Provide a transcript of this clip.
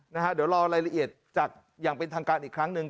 เดี๋ยวรอรายละเอียดจากอย่างเป็นทางการอีกครั้งหนึ่ง